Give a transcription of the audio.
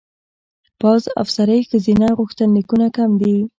پوځ افسرۍ ښځینه غوښتنلیکونه کم دي.